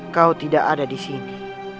kau tidak ada disini